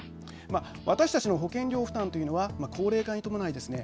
私たちの保険料負担というのは高齢化に伴いですね